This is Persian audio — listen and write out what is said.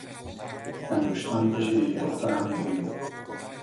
انگشتان کشیدهی دخترم مهری